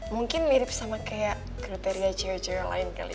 mungkin mirip sama kayak kriteria cewek cewek lain kali